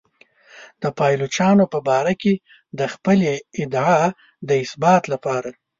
د پایلوچانو په باره کې د خپلې ادعا د اثبات لپاره.